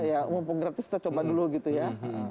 ya mumpung gratis kita coba dulu gitu ya